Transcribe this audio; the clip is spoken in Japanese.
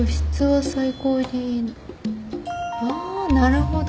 ああなるほど。